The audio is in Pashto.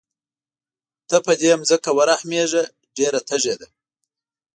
ته په دې ځمکه ورحمېږه ډېره تږې ده.